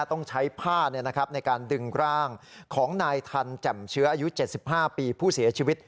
ต้องใช้ผ้าในการดึงร่างของนายทันแจ่มเชื้ออายุ๗๕ปีผู้เสียชีวิต